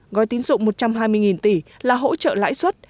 gói tín dụng một trăm hai mươi tỷ là hỗ trợ lãi suất